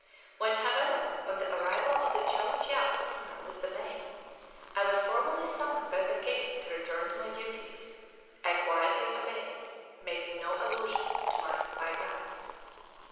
When, however, on the arrival of the Chow Phya steamer with the mail, I was formally summoned by the king to return to my duties, I quietly obeyed, making no allusion to my "bygones."